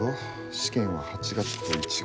試験は８月と１月。